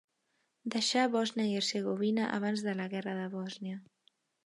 Deixà Bòsnia i Hercegovina abans de la guerra de Bòsnia.